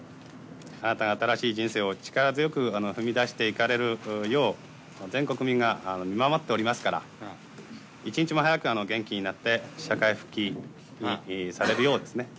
・あなたが新しい人生を力強く踏み出していかれるよう全国民が見守っておりますから一日も早く元気になって社会復帰されるようですね